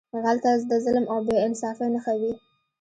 غل تل د ظلم او بې انصافۍ نښه وي